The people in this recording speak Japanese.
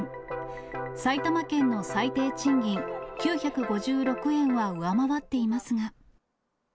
埼玉県の最低賃金９５６円は上回っていますが。